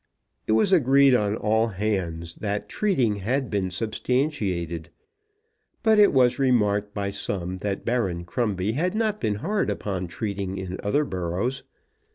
It was agreed on all hands that treating had been substantiated; but it was remarked by some that Baron Crumbie had not been hard upon treating in other boroughs.